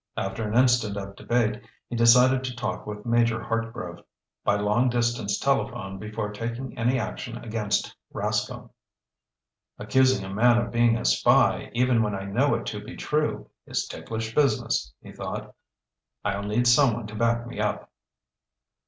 After an instant of debate he decided to talk with Major Hartgrove by long distance telephone before taking any action against Rascomb. "Accusing a man of being a spy even when I know it to be true, is ticklish business," he thought. "I'll need someone to back me up."